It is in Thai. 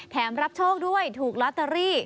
รับโชคด้วยถูกลอตเตอรี่